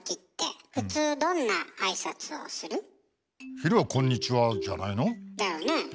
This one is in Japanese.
昼は「こんにちは」じゃないの？だよね。